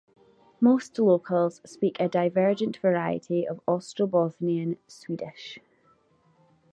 Most locals speak a divergent variety of Ostrobothnian Swedish.